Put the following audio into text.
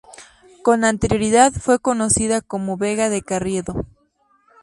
Con anterioridad fue conocida como "Vega de Carriedo".